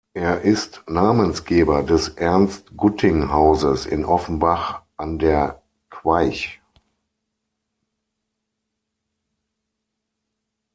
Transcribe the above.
Er ist Namensgeber des "Ernst-Gutting-Hauses" in Offenbach an der Queich.